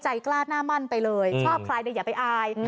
กล้าหน้ามั่นไปเลยชอบใครเนี่ยอย่าไปอาย